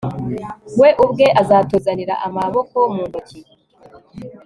We ubwe azatuzanira amaboko mu ntoki